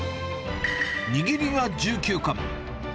握りが１９カン。